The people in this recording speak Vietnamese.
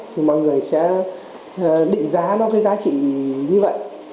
thì mọi người sẽ định giá nó cái giá trị như vậy